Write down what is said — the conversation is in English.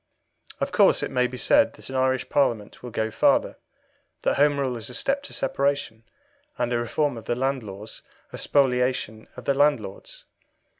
Of course it may be said that an Irish Parliament will go farther that Home Rule is a step to separation, and a reform of the Land Laws a spoliation of the landlords.